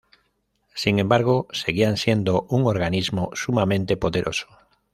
Sin embargo, seguían siendo un organismo sumamente poderoso.